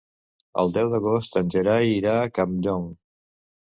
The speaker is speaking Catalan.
El deu d'agost en Gerai irà a Campllong.